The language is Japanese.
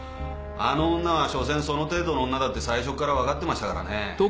あの女はしょせんその程度の女だって最初からわかってましたからね。